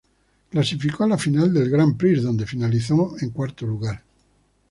Clasificó a la Final del Grand Prix, donde finalizó en cuarto lugar.